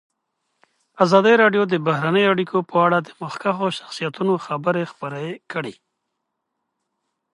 ازادي راډیو د بهرنۍ اړیکې په اړه د مخکښو شخصیتونو خبرې خپرې کړي.